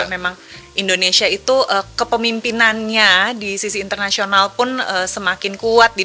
karena indonesia itu kepemimpinannya di sisi internasional pun semakin kuat di dua ribu dua puluh tiga